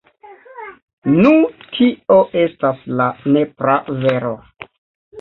Nu tio estas la nepra vero.